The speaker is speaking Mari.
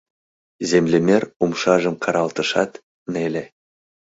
Землемер умшажым каралтышат, неле.